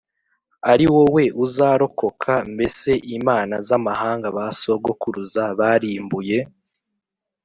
Ari wowe uzarokoka mbese imana z amahanga ba sogokuruza barimbuye